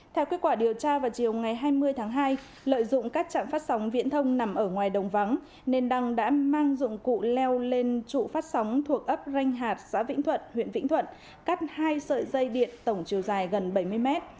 theo kết quả điều tra vào chiều ngày hai mươi tháng hai lợi dụng các trạm phát sóng viễn thông nằm ở ngoài đồng vắng nên đăng đã mang dụng cụ leo lên trụ phát sóng thuộc ấp ranh hạt xã vĩnh thuận huyện vĩnh thuận cắt hai sợi dây điện tổng chiều dài gần bảy mươi mét